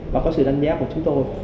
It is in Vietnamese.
và có sự đánh giá của chúng tôi